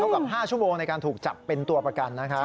กับ๕ชั่วโมงในการถูกจับเป็นตัวประกันนะครับ